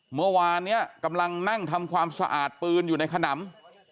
เมื่อวานนี้กำลังนั่งทำความสะอาดปืนอยู่ในขนำ